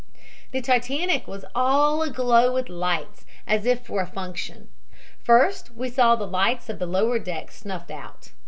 "The Titanic was all aglow with lights as if for a function. First we saw the lights of the lower deck snuffed out.